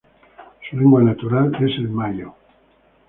Su lengua natural es el Mayo.